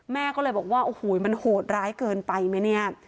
แม่ก็เลยบอกว่าโอ้โหมันโหดร้ายเกินไปไหมเนี่ย